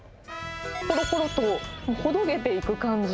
ほろほろっと、ほどけていく感じ。